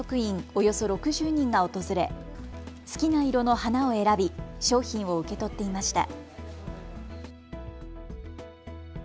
およそ６０人が訪れ好きな色の花を選び商品を受け取っていました。